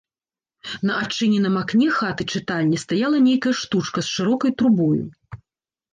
На адчыненым акне хаты-чытальні стаяла нейкая штучка з шырокай трубою.